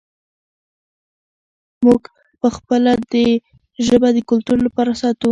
موږ خپله ژبه د کلتور لپاره ساتو.